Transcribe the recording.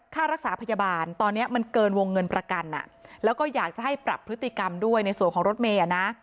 ค่ารักษาพยาบาลตอนนี้มันเกินวงเงินประกันแล้วก็อยากจะให้ปรับพฤติกรรมด้วยในส่วนของรถเมย์นะ